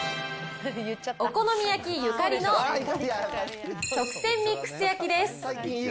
お好み焼ゆかりの特選ミックス焼です。